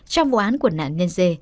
trong vụ án của nạn nhân dê